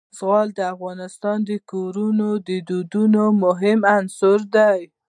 زغال د افغان کورنیو د دودونو مهم عنصر دی.